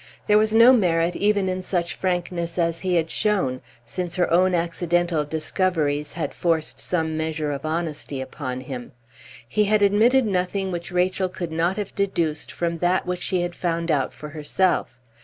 There was no merit even in such frankness as he had shown, since her own, accidental discoveries had forced some measure of honesty upon him. He had admitted nothing which Rachel could not have deduced from that which she had found out for herself.